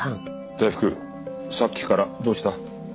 大福さっきからどうした？